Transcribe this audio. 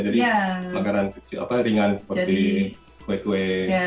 jadi makanan kecil apa ringan seperti kue kue